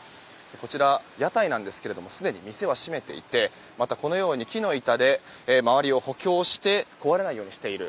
こちら、屋台なんですがすでに店は閉めていてまた、このように木の板で周りを補強して壊れないようにしている。